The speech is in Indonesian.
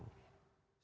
saya tidak tahu